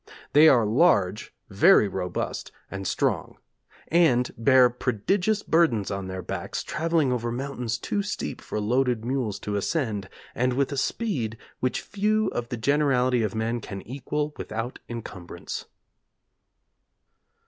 They are large, very robust, and strong; and bear prodigious burdens on their backs, travelling over mountains too steep for loaded mules to ascend, and with a speed which few of the generality of men can equal without incumbrance.'